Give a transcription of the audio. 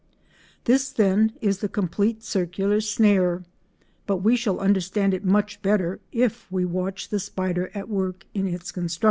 This, then, is the complete circular snare, but we shall understand it much better if we watch the spider at work in its construction.